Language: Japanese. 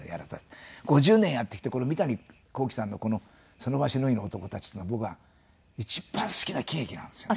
５０年やってきてこの三谷幸喜さんのこの『その場しのぎの男たち』っていうのは僕は一番好きな喜劇なんですよね。